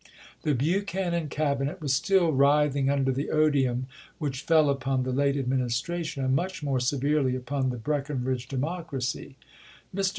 The Buchanan Cabinet was still wi'ithing under the odium which fell upon the late Administration, and much more severely upon the Breckinridge 362 ABEAHAM LINCOLN Chap, XX. Democracy. Mr.